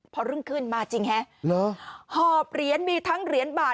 พอรุ่งขึ้นมาจริงฮะหอบเหรียญมีทั้งเหรียญบาท